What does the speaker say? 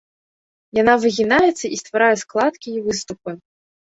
Яна выгінаецца і стварае складкі і выступы.